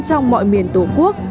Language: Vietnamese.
trong mọi miền tổ quốc